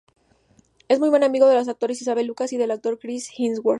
Es muy buen amigo de los actores Isabel Lucas y del actor Chris Hemsworth.